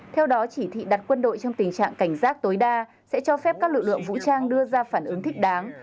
theo đó chỉ thị đặt quân đội trong tình trạng cảnh giác tối đa sẽ cho phép các lực lượng vũ trang đưa ra phản ứng thích đáng